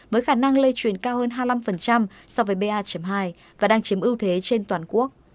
với khả năng lây truyền cao hơn hai mươi năm so với ba hai và đang chiếm ưu thế trên toàn quốc